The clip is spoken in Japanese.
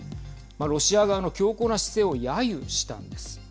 ロシア側の強硬な姿勢をやゆしたんです。